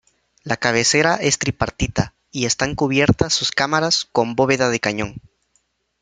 La cabecera es tripartita y están cubiertas sus cámaras con bóveda de cañón.